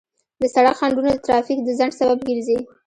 د سړک خنډونه د ترافیک د ځنډ سبب ګرځي.